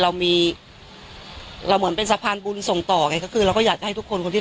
เรามีเราเหมือนเป็นสะพานบุญส่งต่อไงก็คือเราก็อยากจะให้ทุกคนคนที่